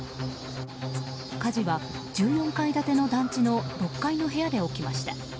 火事は１４階建ての団地の６階の部屋で起きました。